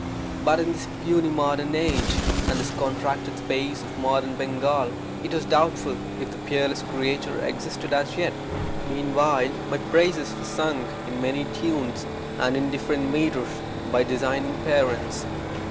But in this puny modern age, and this contracted space of modern Bengal, it was doubtful if the peerless creature existed as yet. Meanwhile my praises were sung in many tunes, and in different metres, by designing parents.